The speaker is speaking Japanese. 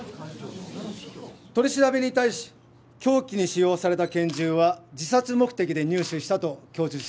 取り調べに対し凶器に使用された拳銃は自殺目的で入手したと供述しています。